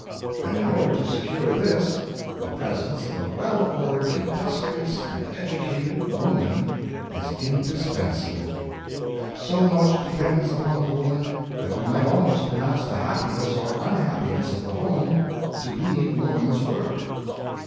And in order to secure this, the presence of a well ordered, industrious and educated woman is indispensable. So much depends upon the woman, that we might almost pronounce the happiness €> 42 Influence of the Home, or unhappiness of the home to be woman's work.